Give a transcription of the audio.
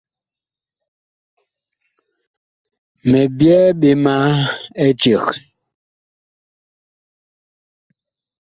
Mi byɛɛ ɓe ma eceg.